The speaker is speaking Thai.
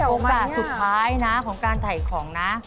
โอกาสสุดท้ายนะของการถ่ายของนะ